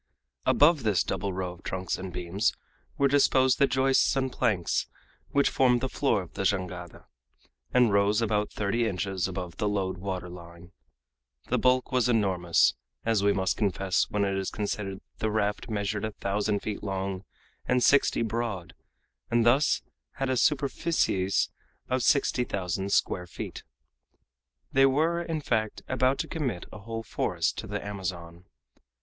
Above this double row of trunks and beams were disposed the joists and planks which formed the floor of the jangada, and rose about thirty inches above the load water line. The bulk was enormous, as we must confess when it is considered that the raft measured a thousand feet long and sixty broad, and thus had a superificies of sixty thousand square feet. They were, in fact, about to commit a whole forest to the Amazon.